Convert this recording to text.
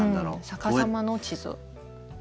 逆さまの地図。